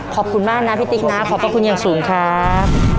ขอบคุณมากนะพี่ติ๊กนะขอบพระคุณอย่างสูงครับ